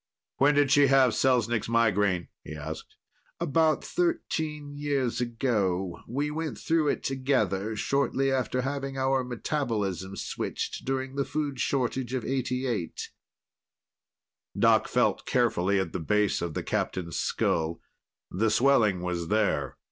"When did she have Selznik's migraine?" he asked. "About thirteen years ago. We went through it together, shortly after having our metabolism switched during the food shortage of '88." Doc felt carefully at the base of the Captain's skull; the swelling was there.